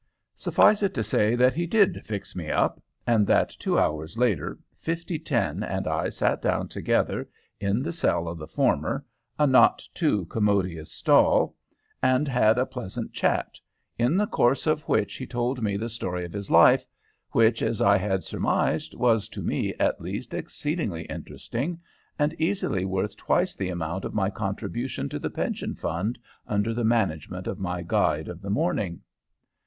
Suffice it to say that he did "fix me up," and that two hours later 5010 and I sat down together in the cell of the former, a not too commodious stall, and had a pleasant chat, in the course of which he told me the story of his life, which, as I had surmised, was to me, at least, exceedingly interesting, and easily worth twice the amount of my contribution to the pension fund under the management of my guide of the morning.